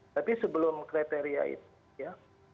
tapi sebelum kriteria itu ya